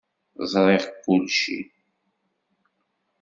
Zṛiɣ kulci.